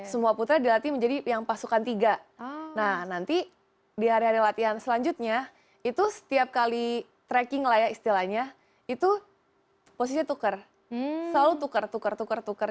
semua putra dilatih menjadi yang pasukan tiga nah nanti di hari hari latihan selanjutnya itu setiap kali tracking lah ya istilahnya itu posisi tukar selalu tukar tukar tukar tukar